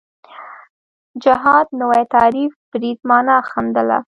جهاد نوی تعریف برید معنا ښندله